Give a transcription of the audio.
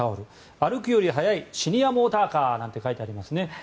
歩くより速いシニアモーターカーなんて書いてありますね。